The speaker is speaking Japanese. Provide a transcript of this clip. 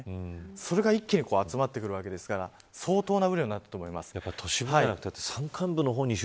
それが一気に集まってくるわけですから相当な雨量になったと思います。